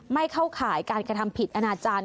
เข้าข่ายการกระทำผิดอนาจารย์